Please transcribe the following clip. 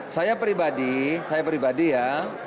saya pribadi saya pribadi ya